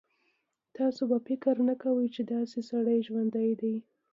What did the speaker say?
تاسو به فکر نه کوئ چې داسې سړی ژوندی دی.